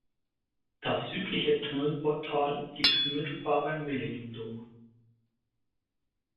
Das südliche Tunnelportal liegt unmittelbar beim Millennium Dome.